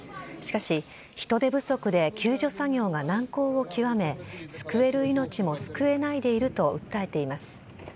しかし、人手不足で救助作業が難航をきわめ救える命も救えないでいると訴えています。